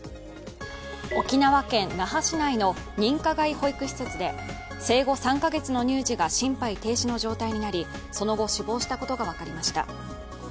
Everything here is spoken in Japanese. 沖縄県那覇市内の認可外保育施設で生後３カ月の乳児が心肺停止の状態になり、その後、死亡したことが分かりました。